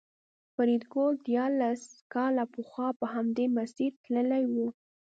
فریدګل دیارلس کاله پخوا په همدې مسیر تللی و